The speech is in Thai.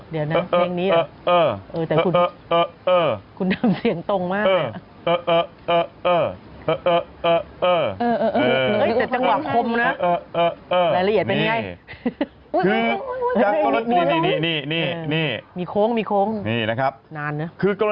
เดี๋ยวนะเพลงนี้เหรอ